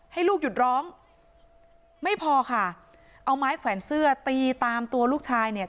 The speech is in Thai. ให้ลูกหยุดร้องไม่พอค่ะเอาไม้แขวนเสื้อตีตามตัวลูกชายเนี่ย